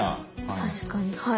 確かにはい。